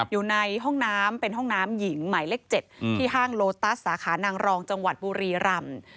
อยู่ในห้องน้ำเป็นห้องน้ำหญิงหมายเลข๗ที่ห้างโลตัสสาขานางรองจังหวัดบุรีรำ